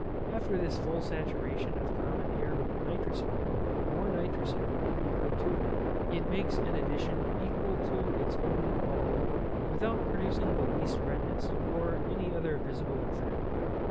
If, after this full saturation of common air with nitrous air, more nitrous air be put to it, it makes an addition equal to its own bulk, without producing the least redness, or any other visible effect.